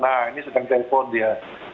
nah ini sedang telepon dia